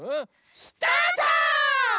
スタート！